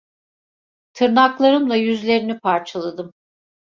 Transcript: Tırnaklarımla yüzlerini parçaladım…